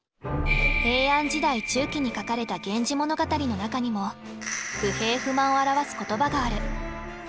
平安時代中期に書かれた「源氏物語」の中にも不平不満を表す言葉がある。